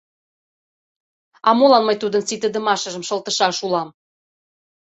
А молан мый тудын ситыдымашыжым шылтышаш улам!